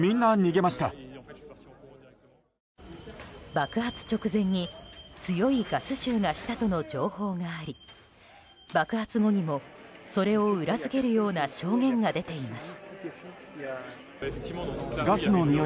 爆発直前に強いガス臭がしたとの情報があり爆発後にもそれを裏付けるような証言が出ています。